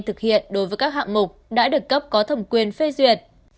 thực hiện đối với các hạng mục đã được cấp có thẩm quyền phê duyệt